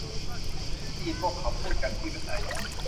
ฉันได้ยินพวกเขาพูดกันที่บันได